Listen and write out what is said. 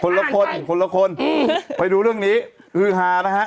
ละคนคนละคนไปดูเรื่องนี้ฮือฮานะฮะ